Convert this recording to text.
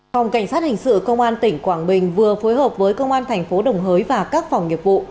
phòng cảnh sát hành sự công an tỉnh quảng bình vừa phối hợp với công an tp đồng hới và các phòng nghiệp vụ